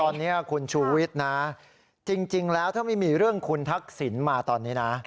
ตอนนี้คุณชูวิทย์นะจริงแล้วถ้าไม่มีเรื่องคุณทักษิณมาตอนนี้นะ